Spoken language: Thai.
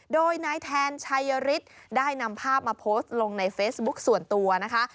โดยนายแทนชัยฤทธิ์ได้นำภาพมาโพสต์ลงในเฟซบุ๊คส่วนตัวนะคะ